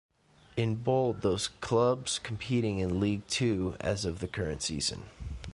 In bold those clubs competing in League Two as of the current season.